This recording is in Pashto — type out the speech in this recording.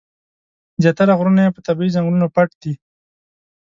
زیاتره غرونه یې په طبیعي ځنګلونو پټ دي.